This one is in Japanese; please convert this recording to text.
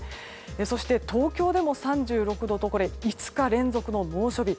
そして、東京でも３６度と５日連続の猛暑日。